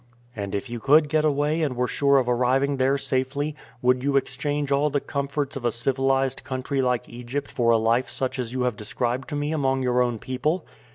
"And if you could get away and were sure of arriving there safely, would you exchange all the comforts of a civilized country like Egypt for a life such as you have described to me among your own people?"